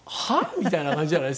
みたいな感じじゃないですか。